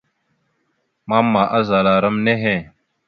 Mama azala ram nehe.